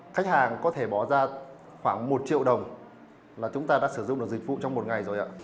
khách hàng có thể bỏ ra khoảng một triệu đồng là chúng ta đã sử dụng được dịch vụ trong một ngày rồi ạ